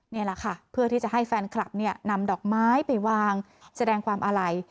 นี่แหละค่ะเพื่อที่จะให้แฟนคลับเนี่ยนำดอกไม้ไปวางแสดงความอาลัย